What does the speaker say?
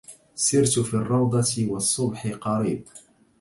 سرت في الروضة والصبح قريب